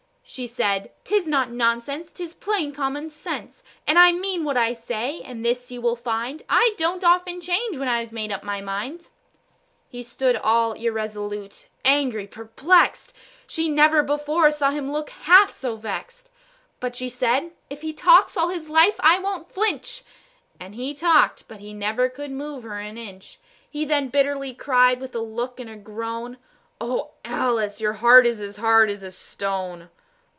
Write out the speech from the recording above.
She said, "'Tis not nonsense, 'tis plain common sense: And I mean what I say, and this you will find, I don't often change when I've made up my mind." He stood all irresolute, angry, perplexed: She never before saw him look half so vexed; But she said, "If he talks all his life I won't flinch"; And he talked, but he never could move her an inch. He then bitterly cried, with a look and a groad, "O Alice, your heart is as hard as a stone."